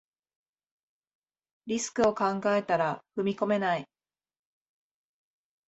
リスクを考えたら踏み込めない